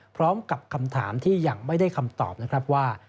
พร้อมกับคำถามที่ยังไม่ได้คำตอบนะครับว่า